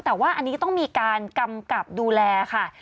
แต่ว่าอันนี้ก็ต้องมีการกำกับดูแลค่ะ